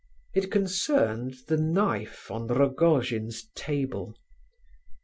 It concerned the knife on Rogojin's table.